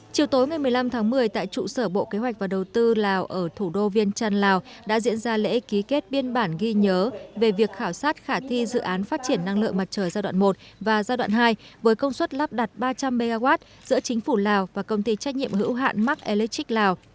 chiều tối ngày một mươi năm tháng một mươi tại trụ sở bộ kế hoạch và đầu tư lào ở thủ đô viên trăn lào đã diễn ra lễ ký kết biên bản ghi nhớ về việc khảo sát khả thi dự án phát triển năng lượng mặt trời giai đoạn một và giai đoạn hai với công suất lắp đặt ba trăm linh mw giữa chính phủ lào và công ty trách nhiệm hữu hạn mark electric lào